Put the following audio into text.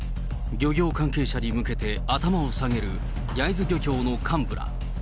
漁業関係者に向けて頭を下げる焼津漁協の幹部ら。